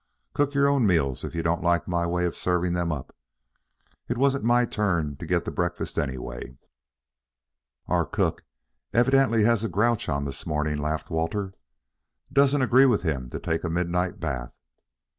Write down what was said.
Cook your own meals if you don't like my way of serving them up. It wasn't my turn to get the breakfast, anyway." "Our cook evidently has a grouch on this morning," laughed Walter. "Doesn't agree with him to take a midnight bath."